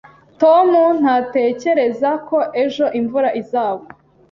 Tom ntatekereza ko ejo imvura izagwa